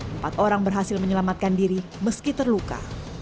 empat orang berhasil menyelamatkan diri meski terluka